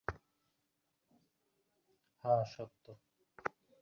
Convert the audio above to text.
এতে ভেতরের ময়লা বের হয়ে আসে এবং তেলের পুষ্টিগুণ ভেতরে যেতে পারে।